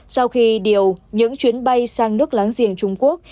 sau khi điều những chuyến bay sang nước láng giềng trung quốc